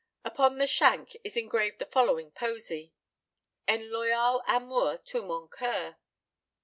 Upon the shank is engraved the following posey "En loial amour tout mon coer."